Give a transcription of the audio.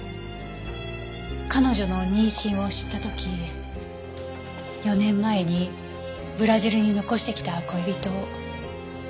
彼女の妊娠を知った時４年前にブラジルに残してきた恋人を。